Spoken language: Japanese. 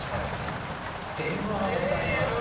電話がございまして。